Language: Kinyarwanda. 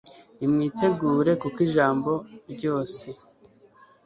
nimwitegure, kuko ijambo ryose